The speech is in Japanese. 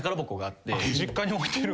実家に置いてる？